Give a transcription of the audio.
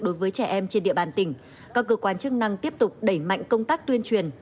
đối với trẻ em trên địa bàn tỉnh các cơ quan chức năng tiếp tục đẩy mạnh công tác tuyên truyền